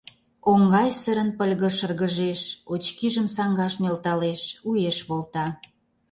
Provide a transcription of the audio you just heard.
Оҥайсырын пыльгыж-шыргыжеш, очкижым саҥгаш нӧлталеш, уэш волта.